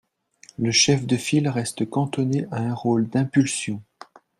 Le chef de file reste cantonné à un rôle d’impulsion.